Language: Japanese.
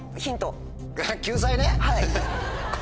はい。